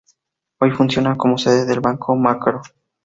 Hoy funciona como sede del Banco Macro.